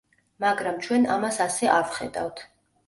მაგრამ ჩვენ ამას ასე არ ვხედავთ.